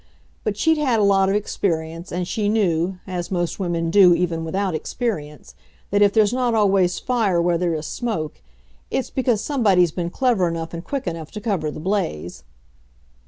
But she'd had a lot of experience and she knew, as most women do even without experience, that if there's not always fire where there is smoke, it's because somebody's been clever enough and quick enough to cover the blaze.